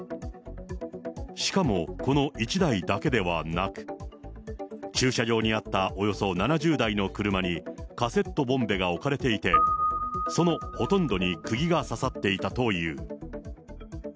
しかもこの１台だけではなく、駐車場にあったおよそ７０台の車にカセットボンベが置かれていて、そのほとんどにくぎが刺さっていたという。